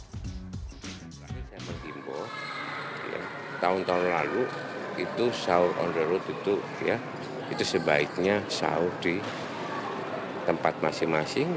saya menghimbau tahun tahun lalu itu sahur on the road itu sebaiknya sahur di tempat masing masing